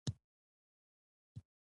د زاړه نظام ستنې ونړول شوې.